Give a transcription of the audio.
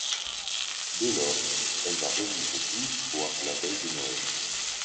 Dès lors, elle va revivre douze fois la veille de Noël.